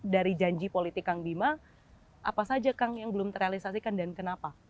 dari janji politik kang bima apa saja kang yang belum terrealisasikan dan kenapa